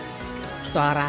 suara sedang menarik